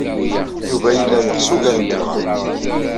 Yuba yella yeɣs ugar n telɣa.